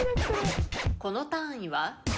この単位は？